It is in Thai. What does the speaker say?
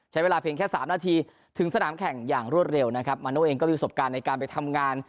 ใช้เวลาเพียงแค่สามนาทีถึงสนามแข่งอย่างรวดเร็วนะครับมาโน่เองก็มีประสบการณ์ในการไปทำงาน